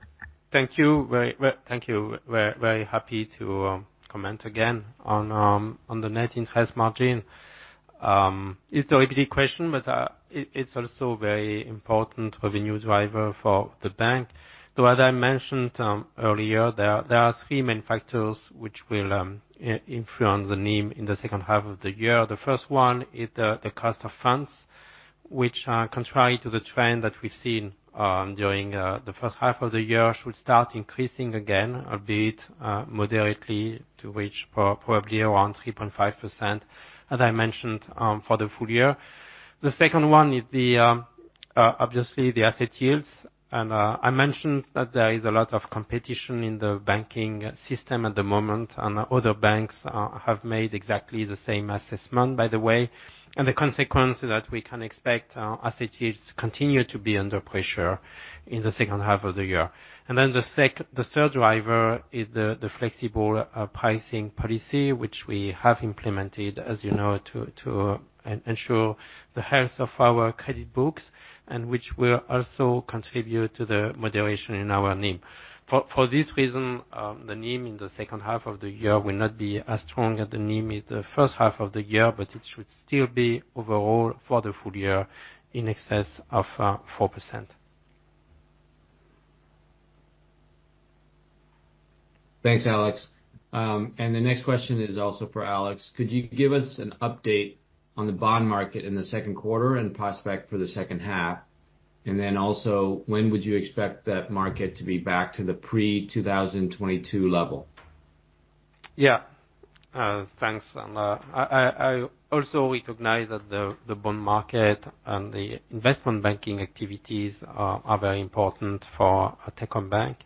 Thank you. Thank you. Very happy to comment again on the net interest margin. It's a repeated question, but it's also a very important revenue driver for the bank. So as I mentioned earlier, there are three main factors which will influence the NIM in the second half of the year. The first one is the cost of funds, which, contrary to the trend that we've seen during the first half of the year, should start increasing again, albeit moderately, to reach probably around 3.5%, as I mentioned, for the full year. The second one is obviously the asset yields. I mentioned that there is a lot of competition in the banking system at the moment, and other banks have made exactly the same assessment, by the way. The consequence is that we can expect asset yields to continue to be under pressure in the second half of the year. Then the third driver is the flexible pricing policy, which we have implemented, as you know, to ensure the health of our credit books, and which will also contribute to the moderation in our NIM. For this reason, the NIM in the second half of the year will not be as strong as the NIM in the first half of the year, but it should still be overall for the full year in excess of 4%. Thanks, Alex. The next question is also for Alex. Could you give us an update on the bond market in the second quarter and prospect for the second half? And then also, when would you expect that market to be back to the pre-2022 level? Yeah. Thanks. And I also recognize that the bond market and the investment banking activities are very important for Techcombank.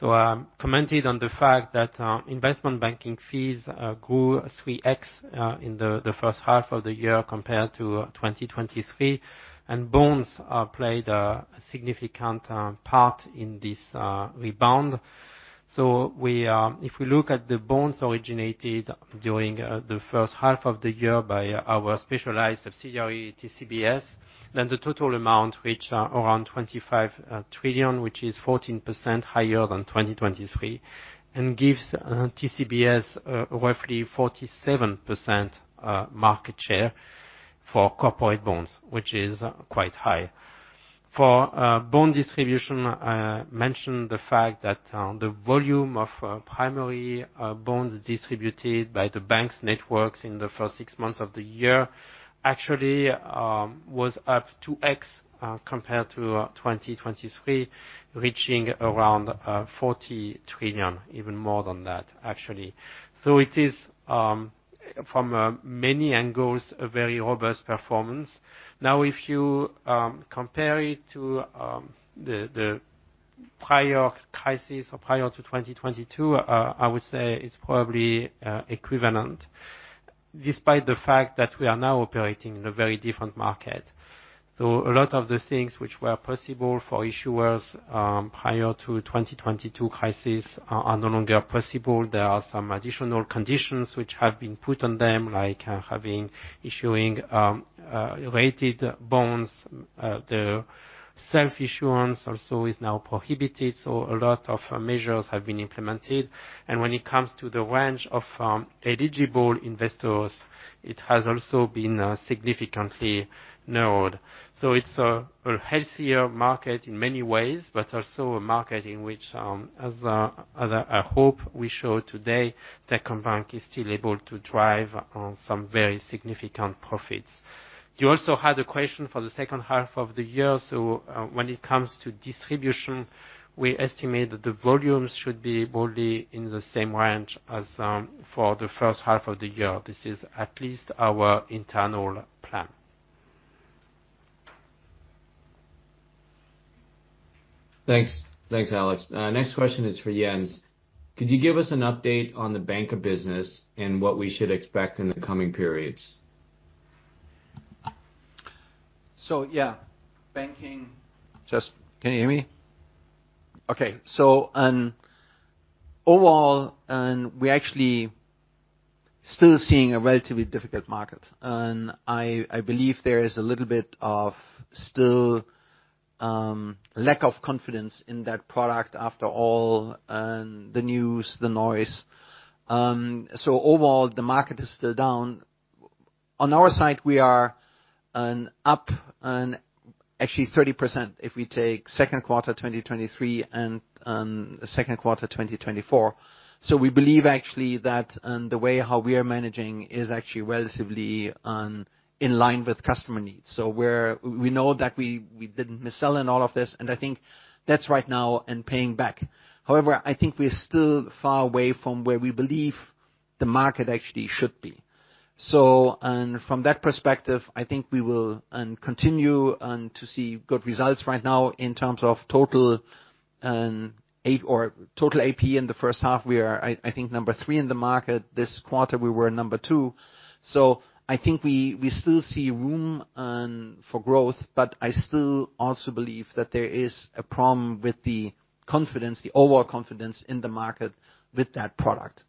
So I commented on the fact that investment banking fees grew 3x in the first half of the year compared to 2023. And bonds played a significant part in this rebound. So if we look at the bonds originated during the first half of the year by our specialized subsidiary, TCBS, then the total amount reached around 25 trillion, which is 14% higher than 2023, and gives TCBS roughly 47% market share for corporate bonds, which is quite high. For bond distribution, I mentioned the fact that the volume of primary bonds distributed by the bank's networks in the first six months of the year actually was up 2x compared to 2023, reaching around 40 trillion, even more than that, actually. So it is, from many angles, a very robust performance. Now, if you compare it to the prior crisis or prior to 2022, I would say it's probably equivalent, despite the fact that we are now operating in a very different market. So a lot of the things which were possible for issuers prior to the 2022 crisis are no longer possible. There are some additional conditions which have been put on them, like having issuing rated bonds. The self-issuance also is now prohibited. So a lot of measures have been implemented. And when it comes to the range of eligible investors, it has also been significantly narrowed. So it's a healthier market in many ways, but also a market in which, as I hope we show today, Techcombank is still able to drive some very significant profits. You also had a question for the second half of the year. So when it comes to distribution, we estimate that the volumes should be broadly in the same range as for the first half of the year. This is at least our internal plan. Thanks. Thanks, Alex. Next question is for Jens. Could you give us an update on the banking business and what we should expect in the coming periods? So yeah, banking just can you hear me? Okay. So overall, we're actually still seeing a relatively difficult market. And I believe there is a little bit of still lack of confidence in that product after all the news, the noise. So overall, the market is still down. On our side, we are up actually 30% if we take second quarter 2023 and second quarter 2024. So we believe actually that the way how we are managing is actually relatively in line with customer needs. So we know that we didn't miss selling all of this, and I think that's right now and paying back. However, I think we're still far away from where we believe the market actually should be. So from that perspective, I think we will continue to see good results right now in terms of total APE in the first half. We are, I think, number three in the market. This quarter, we were number two. So I think we still see room for growth, but I still also believe that there is a problem with the confidence, the overall confidence in the market with that product.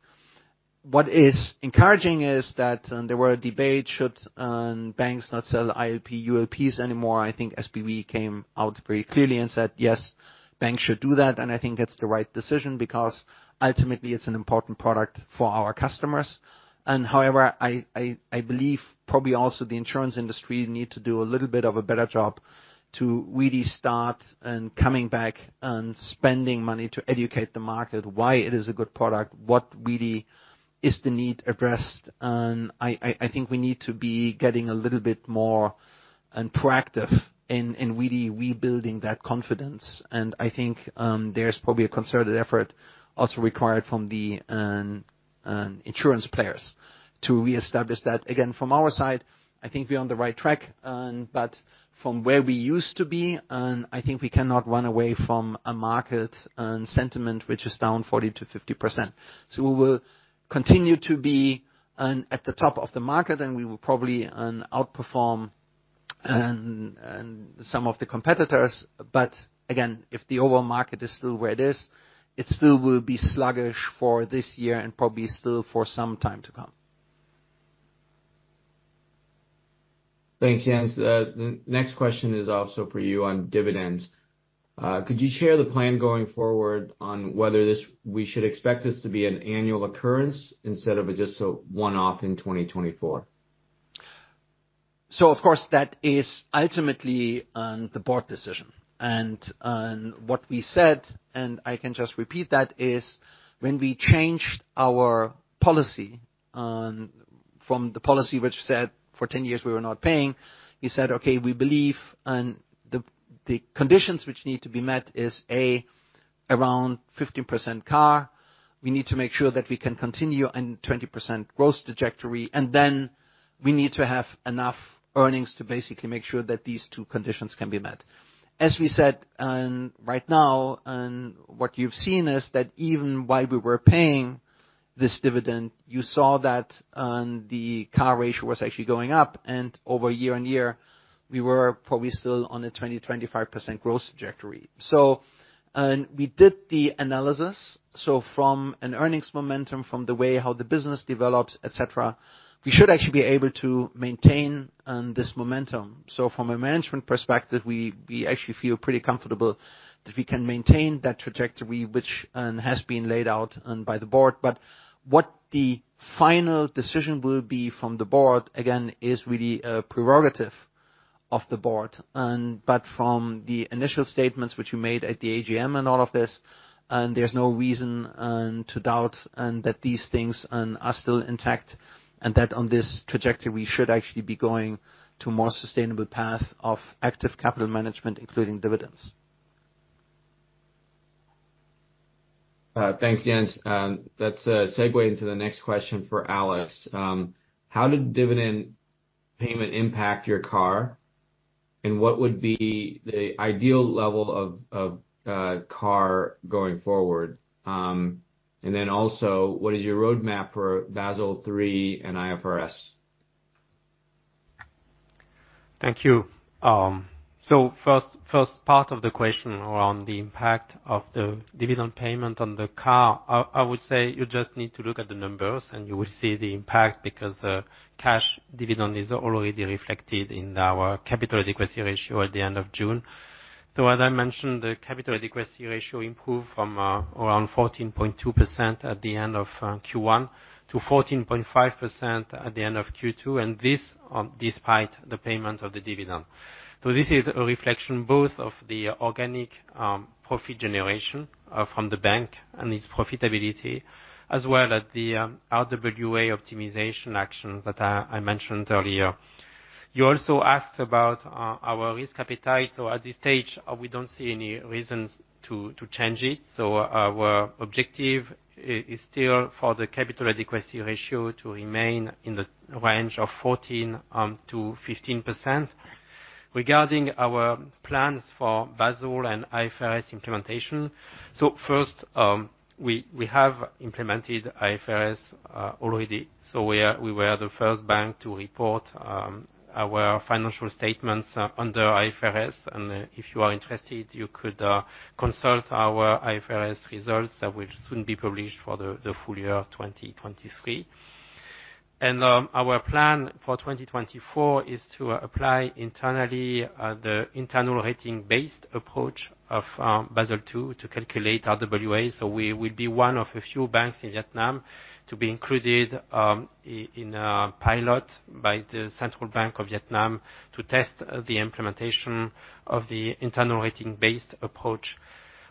What is encouraging is that there was a debate: should banks not sell ILP ULPs anymore? I think SBV came out very clearly and said, "Yes, banks should do that." I think it's the right decision because ultimately, it's an important product for our customers. However, I believe probably also the insurance industry needs to do a little bit of a better job to really start coming back and spending money to educate the market why it is a good product, what really is the need addressed. I think we need to be getting a little bit more proactive in really rebuilding that confidence. I think there's probably a concerted effort also required from the insurance players to reestablish that. Again, from our side, I think we're on the right track. But from where we used to be, I think we cannot run away from a market sentiment which is down 40%-50%. So we will continue to be at the top of the market, and we will probably outperform some of the competitors. But again, if the overall market is still where it is, it still will be sluggish for this year and probably still for some time to come. Thanks, Jens. The next question is also for you on dividends. Could you share the plan going forward on whether we should expect this to be an annual occurrence instead of just a one-off in 2024? So of course, that is ultimately the board decision. And what we said, and I can just repeat that, is when we changed our policy from the policy which said for 10 years we were not paying, we said, "Okay, we believe the conditions which need to be met is A, around 15% CAR. We need to make sure that we can continue in 20% growth trajectory. And then we need to have enough earnings to basically make sure that these two conditions can be met." As we said, right now, what you've seen is that even while we were paying this dividend, you saw that the CAR ratio was actually going up. And over year-on-year, we were probably still on a 20%-25% growth trajectory. So we did the analysis. So from an earnings momentum, from the way how the business develops, etc., we should actually be able to maintain this momentum. So from a management perspective, we actually feel pretty comfortable that we can maintain that trajectory which has been laid out by the board. But what the final decision will be from the board, again, is really a prerogative of the board. But from the initial statements which you made at the AGM and all of this, there's no reason to doubt that these things are still intact and that on this trajectory we should actually be going to a more sustainable path of active capital management, including dividends. Thanks, Jens. That's a segue into the next question for Alex. How did dividend payment impact your CAR? And what would be the ideal level of CAR going forward? And then also, what is your roadmap for Basel III and IFRS? Thank you. So first part of the question around the impact of the dividend payment on the CAR, I would say you just need to look at the numbers and you will see the impact because the cash dividend is already reflected in our capital adequacy ratio at the end of June. So as I mentioned, the capital adequacy ratio improved from around 14.2% at the end of Q1 to 14.5% at the end of Q2, and this despite the payment of the dividend. So this is a reflection both of the organic profit generation from the bank and its profitability, as well as the RWA optimization actions that I mentioned earlier. You also asked about our risk appetite. So at this stage, we don't see any reasons to change it. So our objective is still for the capital adequacy ratio to remain in the range of 14%-15%. Regarding our plans for Basel and IFRS implementation, so first, we have implemented IFRS already. We were the first bank to report our financial statements under IFRS. If you are interested, you could consult our IFRS results that will soon be published for the full year 2023. Our plan for 2024 is to apply internally the Internal Ratings-Based Approach of Basel II to calculate RWA. We will be one of a few banks in Vietnam to be included in a pilot by the State Bank of Vietnam to test the implementation of the Internal Ratings-Based Approach.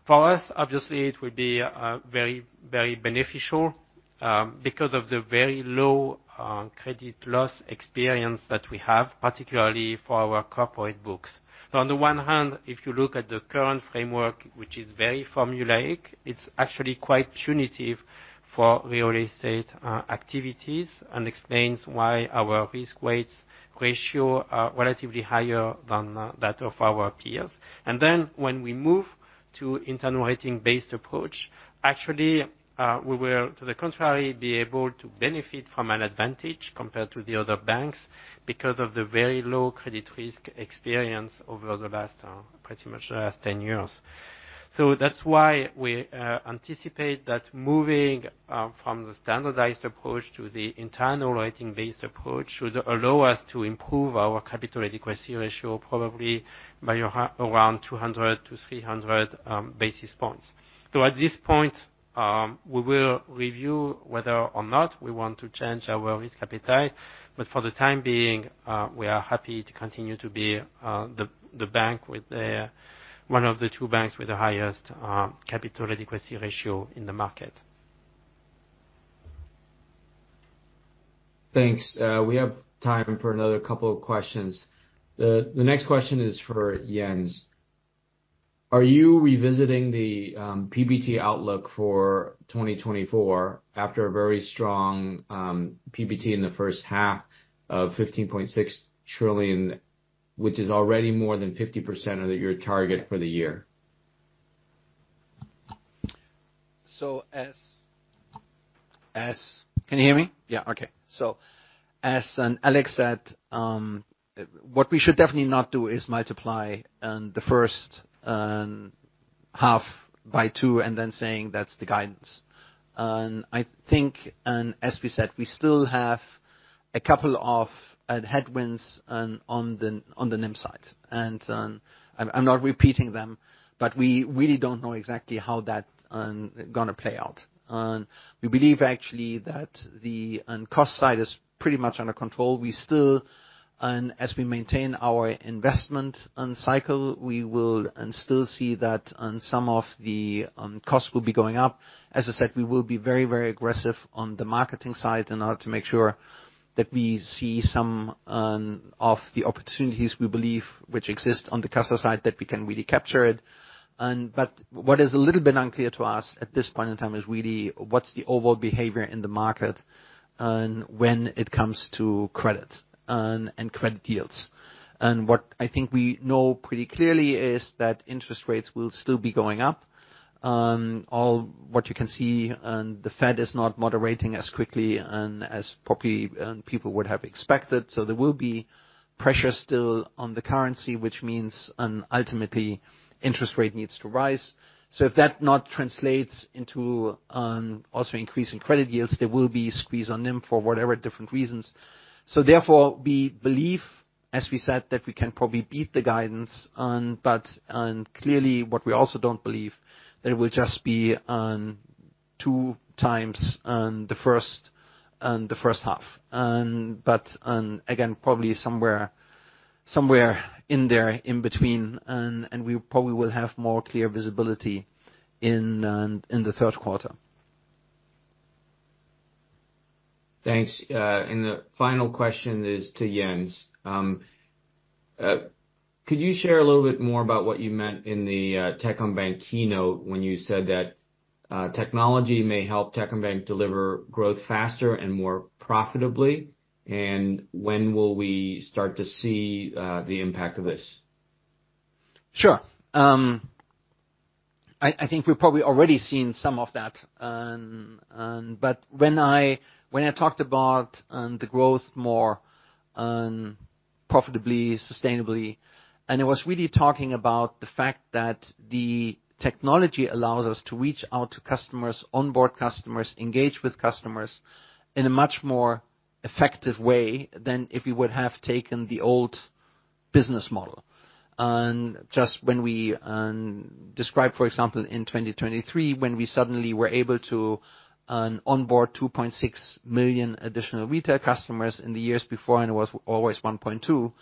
For us, obviously, it will be very, very beneficial because of the very low credit loss experience that we have, particularly for our corporate books. So on the one hand, if you look at the current framework, which is very formulaic, it's actually quite punitive for real estate activities and explains why our risk weights ratio are relatively higher than that of our peers. Then when we move to internal ratings-based approach, actually, we will, to the contrary, be able to benefit from an advantage compared to the other banks because of the very low credit risk experience over the last pretty much the last 10 years. So that's why we anticipate that moving from the Standardized Approach to the internal ratings-based approach should allow us to improve our capital adequacy ratio probably by around 200-300 basis points. So at this point, we will review whether or not we want to change our risk appetite. But for the time being, we are happy to continue to be the bank with one of the two banks with the highest capital adequacy ratio in the market. Thanks. We have time for another couple of questions. The next question is for Jens. Are you revisiting the PBT outlook for 2024 after a very strong PBT in the first half of 15.6 trillion, which is already more than 50% of your target for the year? Can you hear me? Yeah. Okay. So as Alex said, what we should definitely not do is multiply the first half by two and then saying that's the guidance. And I think, as we said, we still have a couple of headwinds on the NIM side. And I'm not repeating them, but we really don't know exactly how that is going to play out. We believe actually that the cost side is pretty much under control. We still, as we maintain our investment cycle, we will still see that some of the costs will be going up. As I said, we will be very, very aggressive on the marketing side in order to make sure that we see some of the opportunities we believe which exist on the customer side that we can really capture it. But what is a little bit unclear to us at this point in time is really what's the overall behavior in the market when it comes to credit and credit yields. And what I think we know pretty clearly is that interest rates will still be going up. All what you can see, the Fed is not moderating as quickly as probably people would have expected. So there will be pressure still on the currency, which means ultimately interest rate needs to rise. So if that not translates into also increasing credit yields, there will be squeeze on NIM for whatever different reasons. So therefore, we believe, as we said, that we can probably beat the guidance. But clearly, what we also don't believe is that it will just be 2x the first half. But again, probably somewhere in there in between, and we probably will have more clear visibility in the third quarter. Thanks. And the final question is to Jens. Could you share a little bit more about what you meant in the Techcombank keynote when you said that technology may help Techcombank deliver growth faster and more profitably? And when will we start to see the impact of this? Sure. I think we've probably already seen some of that. But when I talked about the growth more profitably, sustainably, and it was really talking about the fact that the technology allows us to reach out to customers, onboard customers, engage with customers in a much more effective way than if we would have taken the old business model. Just when we described, for example, in 2023, when we suddenly were able to onboard 2.6 million additional retail customers in the years before, and it was always 1.2.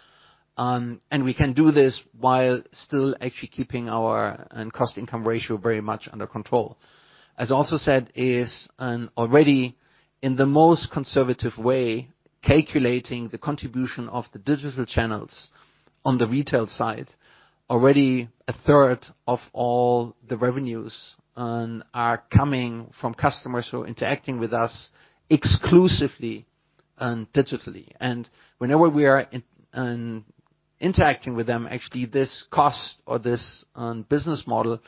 And we can do this while still actually keeping our cost-income ratio very much under control. As also said is already in the most conservative way, calculating the contribution of the digital channels on the retail side, already a third of all the revenues are coming from customers who are interacting with us exclusively digitally. And whenever we are interacting with them, actually, this cost or this business model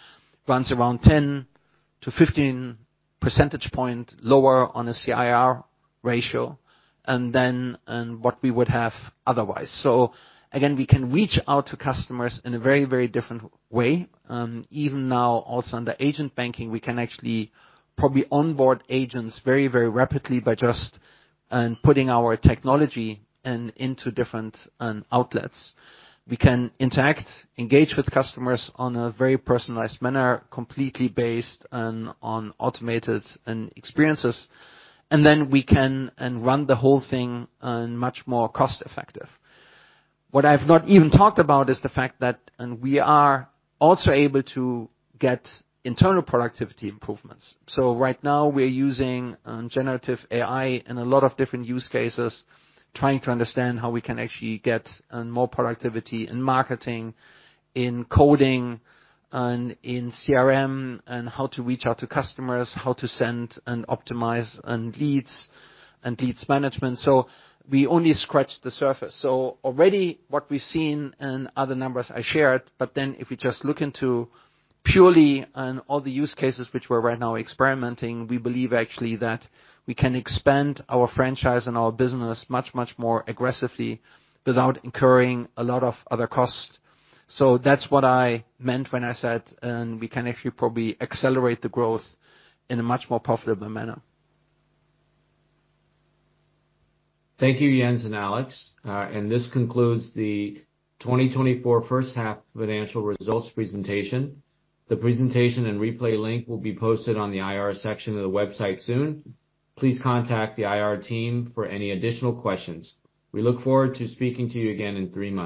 runs around 10-15 percentage points lower on a CIR ratio than what we would have otherwise. So again, we can reach out to customers in a very, very different way. Even now, also under agent banking, we can actually probably onboard agents very, very rapidly by just putting our technology into different outlets. We can interact, engage with customers on a very personalized manner, completely based on automated experiences. And then we can run the whole thing much more cost-effective. What I've not even talked about is the fact that we are also able to get internal productivity improvements. So right now, we're using generative AI in a lot of different use cases, trying to understand how we can actually get more productivity in marketing, in coding, in CRM, and how to reach out to customers, how to send and optimize leads and leads management. We only scratched the surface. Already, what we've seen in other numbers I shared, but then if we just look into purely all the use cases which we're right now experimenting, we believe actually that we can expand our franchise and our business much, much more aggressively without incurring a lot of other costs. That's what I meant when I said we can actually probably accelerate the growth in a much more profitable manner. Thank you, Jens and Alex. This concludes the 2024 first half financial results presentation. The presentation and replay link will be posted on the IR section of the website soon. Please contact the IR team for any additional questions. We look forward to speaking to you again in three months.